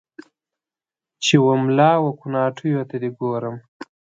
چې و مـــلا و کوناټیــــو ته دې ګورم